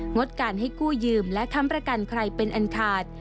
ดการให้กู้ยืมและค้ำประกันใครเป็นอันขาด